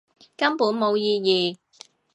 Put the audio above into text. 根本冇意義